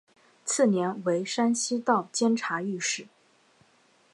次年为山西道监察御史。